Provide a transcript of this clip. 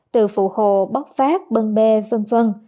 từ phụ hồ bóc phát bưng bê vân vân